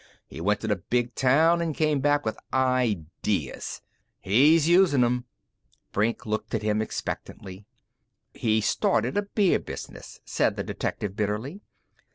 He went to the big town an' came back with ideas. He's usin' 'em!" Brink looked at him expectantly. "He started a beer business," said the detective bitterly.